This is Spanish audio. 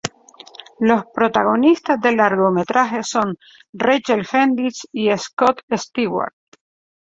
Los protagonistas del largometraje son Rachel Hendrix y Scott Eastwood.